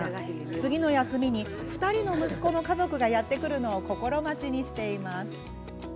次の休みに２人の息子の家族がやって来るのを心待ちにしています。